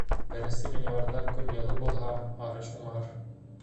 Беренсе ғинуарҙа көн йылы булһа, арыш уңыр